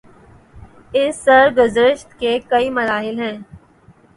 اس سرگزشت کے کئی مراحل ہیں۔